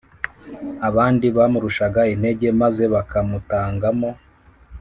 . Abandi bamurushaga intege maze bakamutangamo